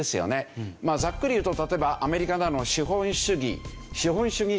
まあざっくり言うと例えばアメリカなどの資本主義資本主義